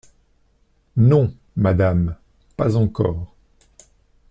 Non, Madame, pas encore.